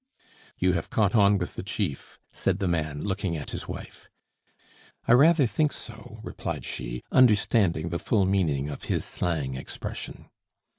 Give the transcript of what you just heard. "You have caught on with the chief," said the man, looking at his wife. "I rather think so," replied she, understanding the full meaning of his slang expression.